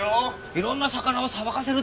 いろんな魚をさばかせるっていうのもさ